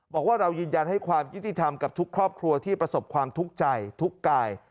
บอกว่าเรายืนยันให้ความยุติธรรมกับทุกครอบครัวที่ประสบความทุกข์ใจทุกกาย